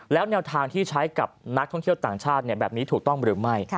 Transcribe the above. แล้วแนวทางที่ใช้กับนักท่องเที่ยวต่างชาติแบบนี้ถูกต้องหรือไม่